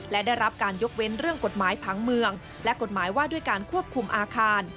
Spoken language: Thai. และได้รับการยกเว้นเรื่องกฎหมายผังเมืองและกฎหมายว่าด้วยการควบคุมอาคาร